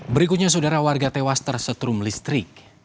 berikutnya saudara warga tewas tersetrum listrik